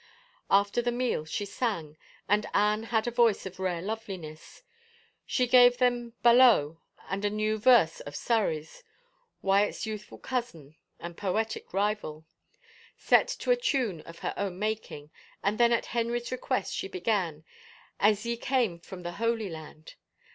After the meal she sang, and Anne had a voice of rare loveliness. She gave them " Balow," and a new verse of Surrey's, Wyatt's youthful cousin and poetic rival, set to a time of her own making, and then at Henry's request she begsji, " As ye came from the Holy Land."